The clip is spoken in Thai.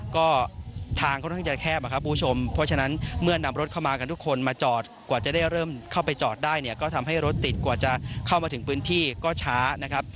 ก็ทางค่อนข้างจะแคบนะครับคุณผู้ชมเพราะฉะนั้นเมื่อนำรถเข้ามากันทุกคนมาจอดกว่าจะได้เริ่มเข้าไปจอดได้เนี่ยก็ทำให้รถติดกว่าจะเข้ามาถึงพื้นที่ก็ช้านะครับ